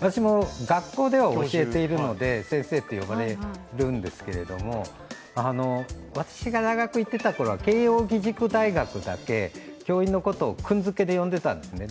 私も学校では教えているので先生って呼ばれるんですけれども私が大学へ行っていたころは、慶応義塾大学だけ教員のことを君付けで呼んでいたんですね。